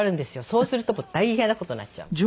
そうすると大変な事になっちゃうの。